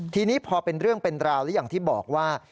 ทีนี้พอเป็นเรื่องเป็นราวแล้วอย่างที่บอกว่า